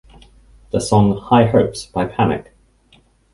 The song "High Hopes" by Panic!